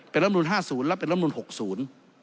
เป็นร่ำนูล๕๐และเป็นร่ำนูล๖๐